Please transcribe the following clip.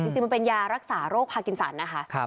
จริงมันเป็นยารักษาโรคพากินสันนะคะ